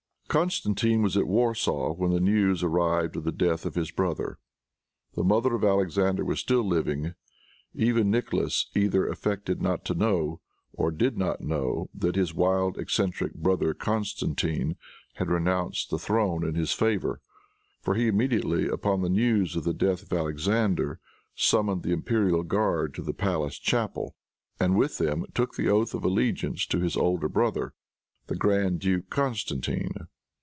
Constantine was at Warsaw when the news arrived of the death of his brother. The mother of Alexander was still living. Even Nicholas either affected not to know, or did not know, that his wild, eccentric brother Constantine had renounced the throne in his favor, for he immediately, upon the news of the death of Alexander, summoned the imperial guard into the palace chapel, and, with them, took the oath of allegiance to his older brother, the Grand Duke Constantine.